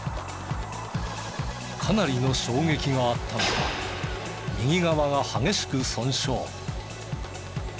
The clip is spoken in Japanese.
かなりの衝撃があったのか右側が激しく損傷。